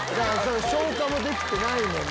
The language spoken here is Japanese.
消化もできてないねん